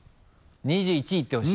２１いってほしい。